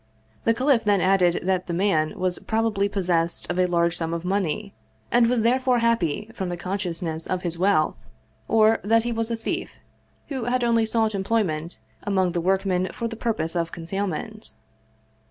The caliph then added that the man was probably possessed of a large sum of money, and was therefore happy from the consciousness of his wealth; or, that he was a thief, who had only sought employment among the workmen for the purpose of concealment.